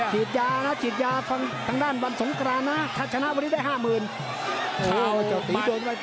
ขี้ดยาระทันด้านวันสงกรานนะถ้าชนะวันนี้ได้๕๐๐๐๐บาท